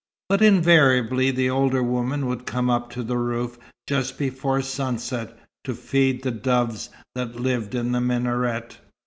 But invariably the older woman would come up to the roof just before sunset, to feed the doves that lived in the minaret.